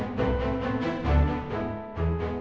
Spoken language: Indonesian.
bapak coba ya bapak coba